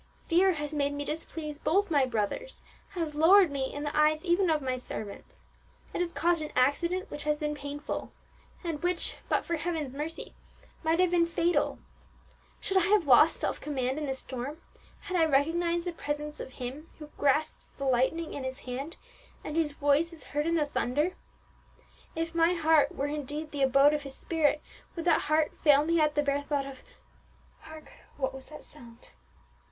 Fear has made me displease both my brothers, has lowered me in the eyes even of my servants; it has caused an accident which has been painful, and which, but for Heaven's mercy, might have even been fatal. Should I have lost self command in the storm, had I recognized the presence of Him who grasps the lightning in His hand, and whose voice is heard in the thunder? If my heart were indeed the abode of His Spirit, would that heart fail me at the bare thought of hark! what was that sound?"